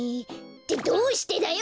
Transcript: ってどうしてだよ！